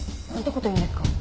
事言うんですか。